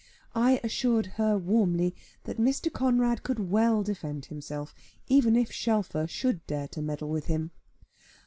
I assured her warmly that Mr. Conrad could well defend himself, even if Shelfer should dare to meddle with him.